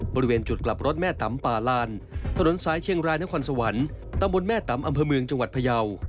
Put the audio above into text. บริเวณจุดกลับรถแม่ตำป่าลานถนนสายเชียงรายนครสวรรค์ตำบลแม่ตำอำเภอเมืองจังหวัดพยาว